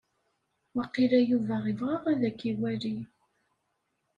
Waqila Yuba ibɣa ad ak-iwali.